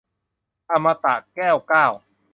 อมตะ - แก้วเก้า